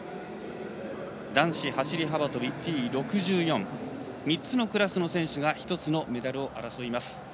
男子走り幅跳びＴ６４３つのクラスの選手が１つのメダルを争います。